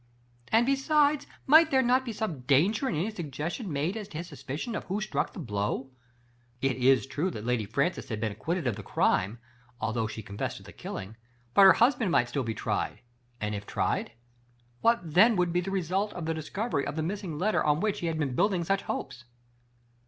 And be sides, might there not be some danger in any suggestion made as to his suspicion of who struck the blow? It was true that Lady Francis had been acquitted of the crime, although^ she con fessed to the killing ; but her husband might still Digitized by Google BHAM STOKER. 123 be tried— and if tried ? What then would be the result of the discovery of the missing letter on which he had been building such hopes?